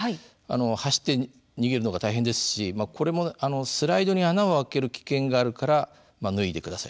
走って逃げるのが大変ですしこれもスライドに穴をあける危険があるから脱いでください。